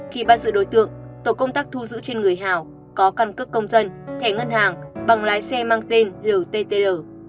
khi bắt giữ đối tượng tổ công tác thu giữ trên người hào có căn cước công dân thẻ ngân hàng bằng lái xe mang tên ltr